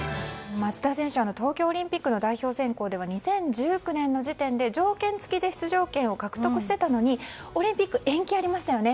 松田選手は東京オリンピックの代表選考で２０１９年の時点で、条件付きで出場権を獲得していたのにオリンピック延期がありましたよね。